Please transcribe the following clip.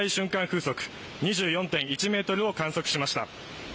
風速２４．１メートルを観測しました。